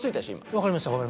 分かりました。